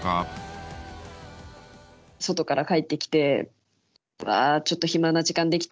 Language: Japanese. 外から帰ってきて「あちょっと暇な時間できた。